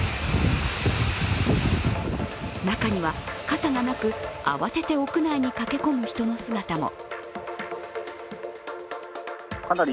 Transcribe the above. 中には傘がなく、慌てて屋内に駆け込む人の姿も。